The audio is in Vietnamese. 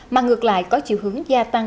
mà ngược lại có chiều hướng gia tăng